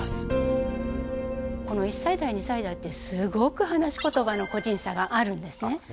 この１歳代２歳代ってすごく話しことばの個人差があるんですね。